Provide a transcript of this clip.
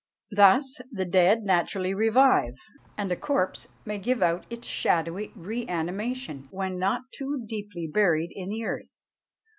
Thus the dead naturally revive; and a corpse may give out its shadowy re animation when not too deeply buried in the earth.